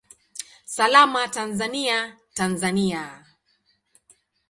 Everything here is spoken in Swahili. Salama Tanzania, Tanzania!